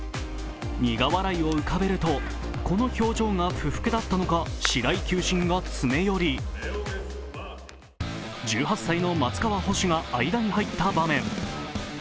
苦笑いを浮かべると、この表情が不服だったのか、白井球審が詰め寄り１８歳の松川捕手が間に入った場面。